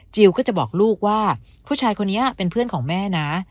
ก็จะบอกลูกว่าผู้ชายคนนี้เป็นเพื่อนของแม่นะ